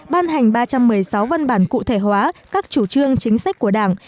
ban hành ba trăm một mươi sáu văn bản cụ thể hóa các chủ trương chính sách của đảng